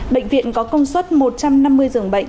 bệnh viện có công suất một trăm năm mươi giường bệnh